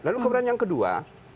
lalu kemudian yang kedua